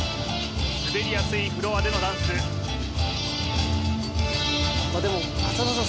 滑りやすいフロアでのダンスでも浅田さん